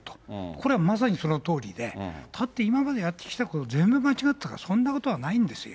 これはまさにそのとおりで、だって今までやってきたこと、全部間違ったかって、そんなことないんですよ。